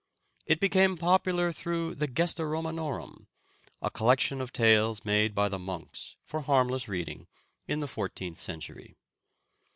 It became popular through the "Gesta Romanorum," a collection of tales made by the monks for harmless reading, in the fourteenth century.